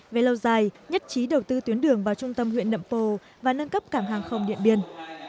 về lâu dài nhất trí đầu tư tuyến đường vào trung tâm huyện nậm pồ và nâng cấp cảng hàng không điện biên